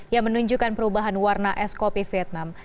yang menunjukkan perubahan warna es kopi vietnam